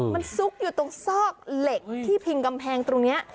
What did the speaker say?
มันซุกอยู่ตรงซอกเหล็กที่พิงกำแพงตรงนี้